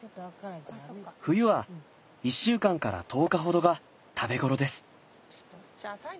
冬は１週間から１０日ほどが食べ頃です。